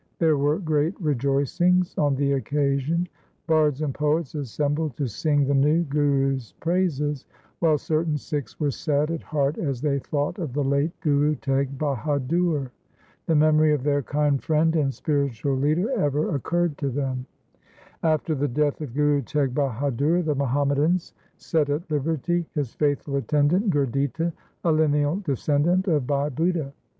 There were great rejoicings on the occasion. Bards and poets assembled to sing the new Guru's praises while certain Sikhs were sad at heart as they thought of the late Guru Teg Bahadur. The memory of their kind friend and spiritual leader ever occurred to them. After the death of Guru Teg Bahadur the Muham madans set at liberty his faithful attendant Gurditta, a lineal descendant of Bhai Budha.